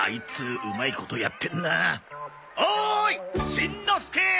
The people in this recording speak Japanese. しんのすけー！